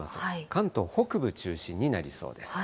関東北部中心になりそうです。